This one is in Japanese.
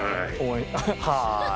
はい。